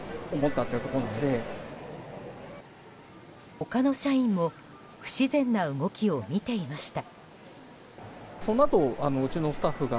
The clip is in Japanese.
他の社員も不自然な動きを見ていました。